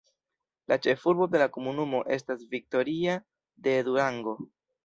La ĉefurbo de la komunumo estas Victoria de Durango.